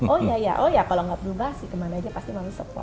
oh ya ya oh ya kalau nggak berubah sih kemana aja pasti malu support